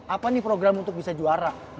apa nih program untuk bisa juara